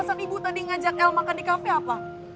alasan ibu tadi ngajak el makan di cafe apa